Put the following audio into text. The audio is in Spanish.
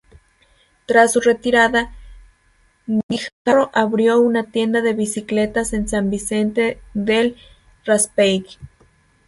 Tras su retirada, Guijarro abrió una tienda de bicicletas en San Vicente del Raspeig.